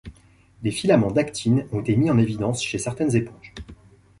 Des filaments d'actine ont été mis en évidence chez certaines éponges.